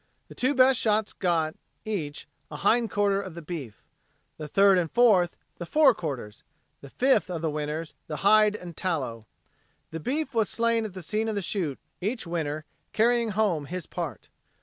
The two best shots got, each, a hindquarter of the beef. The third and fourth, the forequarters; the fifth of the winners, the hide and tallow. The beef was slain at the scene of the shoot, each winner carrying home his part.